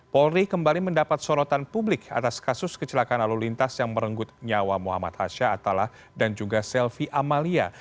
polri kembali mendapat sorotan publik atas kasus kecelakaan lalu lintas yang merenggut nyawa muhammad hasha atalah dan juga selvi amalia